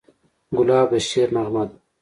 ګلاب د شعر نغمه ده.